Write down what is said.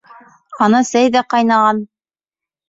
Ана сәй ҙә ҡайнаған...